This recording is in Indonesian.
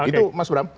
itu mas bram